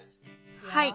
はい。